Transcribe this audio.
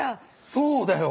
そうだよ！